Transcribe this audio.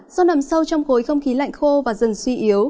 do nằm sâu trong khối không khí lạnh khô và dần suy yếu